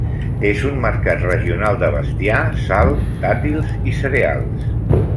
És un mercat regional de bestiar, sal, dàtils i cereals.